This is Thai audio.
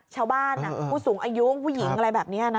ชาวบ้านผู้สูงอายุผู้หญิงอะไรแบบนี้